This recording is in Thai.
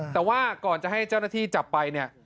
แต่ว่าก่อนจะให้เจ้าหน้าที่จับไปเนี่ย